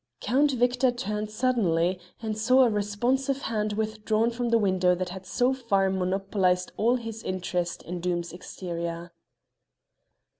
Count Victor turned suddenly and saw a responsive hand withdrawn from the window that had so far monopolised all his interest in Doom's exterior.